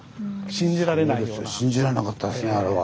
信じられなかったですねあれは。